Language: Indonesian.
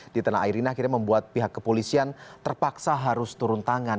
di tanah air ini akhirnya membuat pihak kepolisian terpaksa harus turun tangan